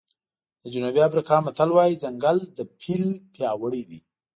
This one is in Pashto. د جنوبي افریقا متل وایي ځنګل له فیل پیاوړی دی.